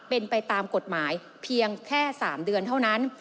เป็นไปตามกฎหมายเพียงแค่๓เดือนเท่านั้น